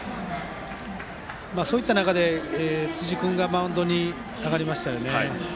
そういった中で辻君がマウンドに上がりました。